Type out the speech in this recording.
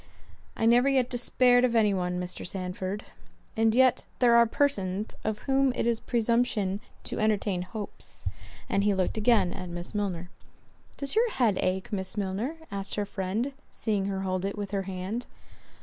"I never yet despaired of any one, Mr. Sandford." "And yet there are persons, of whom it is presumption to entertain hopes." And he looked again at Miss Milner. "Does your head ache, Miss Milner?" asked her friend, seeing her hold it with her hand.